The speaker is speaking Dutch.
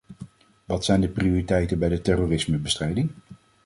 Wat zijn de prioriteiten bij de terrorismebestrijding?